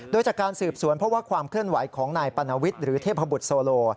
โดยจากการสืบสวนเพราะว่าความเคลื่อนไหวของนายปรณวิทย์หรือเทพบุตรโซโล